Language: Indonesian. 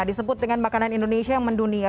disebut dengan makanan indonesia yang mendunia